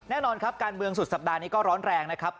แน่นอนครับการเมืองสุดสัปดาห์นี้ก็ร้อนแรงนะครับ